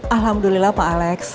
alhamdulillah pak alex